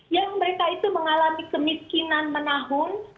yang mereka itu mengalami kemiskinan menahun